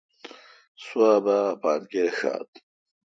سوا با اپان کر شات۔